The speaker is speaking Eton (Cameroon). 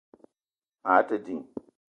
Maa te ding